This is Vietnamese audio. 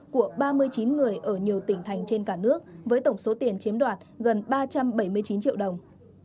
của ba mươi chín người ở nhiều tỉnh thành trên cả nước với tổng số tiền chiếm đoạt gần ba trăm bảy mươi chín triệu đồng